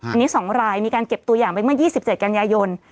อันนี้๒รายมีการเก็บตัวอย่างไปเมื่อ๒๗กันยายน